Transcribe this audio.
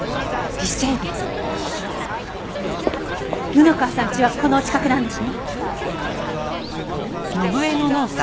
布川さん家はこのお近くなんですね？